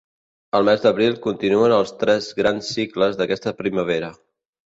El mes d'abril continuen els tres grans cicles d'aquesta primavera.